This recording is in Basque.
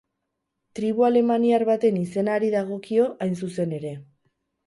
Tribu alemaniar baten izenari dagokio, hain zuzen ere.